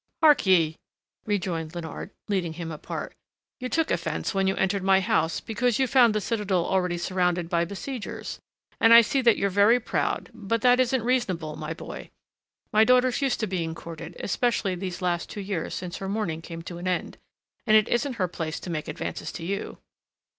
"Hark ye," rejoined Léonard, leading him apart, "you took offence when you entered my house, because you found the citadel already surrounded by besiegers, and I see that you're very proud; but that isn't reasonable, my boy. My daughter's used to being courted, especially these last two years since her mourning came to an end, and it isn't her place to make advances to you."